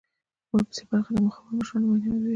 ورپسې برخه د مخورو مشرانو ویناوي وې.